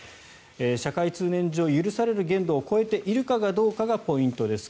社会通念上、許される限度を超えているかどうかがポイントです。